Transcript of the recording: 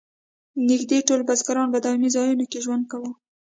نږدې ټول بزګر په دایمي ځایونو کې ژوند کاوه.